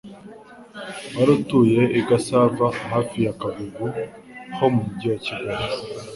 wari utuye i Gasava hafi ya Kagugu ho mu mujyi wa Kigali.